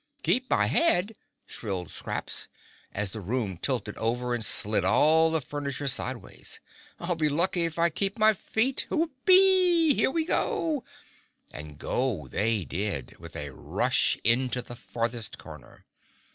"Keep my head!" shrilled Scraps, as the room tilted over and slid all the furniture sideways. "I'll be lucky if I keep my feet. Whoopee! Here we go!" And go they did with a rush into the farthest corner.